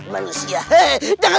aku menolong perempuan who